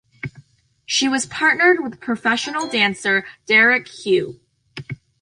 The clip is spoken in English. She was partnered with professional dancer Derek Hough.